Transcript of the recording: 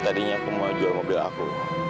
tadinya aku mau jual mobil aku